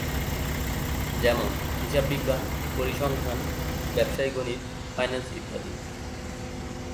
যেমনঃ হিসাববিজ্ঞান, পরিসংখ্যান, ব্যাবসায় গণিত, ফাইন্যান্স ইত্যাদি।